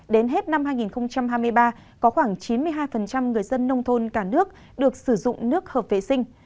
đến hết năm hai nghìn hai mươi ba có khoảng chín mươi hai người dân nông thôn cả nước được sử dụng nước hợp vệ sinh